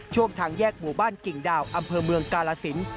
ช่วงทางแยกหมู่บ้านกิ่งดาวอำเภอเมืองกาลสิน